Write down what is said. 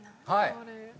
はい。